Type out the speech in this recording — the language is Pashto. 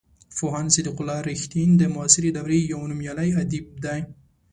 پوهاند صدیق الله رښتین د معاصرې دورې یو نومیالی ادیب دی.